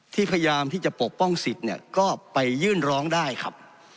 พยายามที่จะปกป้องสิทธิ์เนี่ยก็ไปยื่นร้องได้ครับ